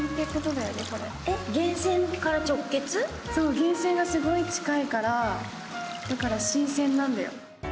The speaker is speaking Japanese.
源泉がすごい近いからだから新鮮なんだよ。